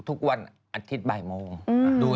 ทุกวันอาทิตย์บ่ายโมง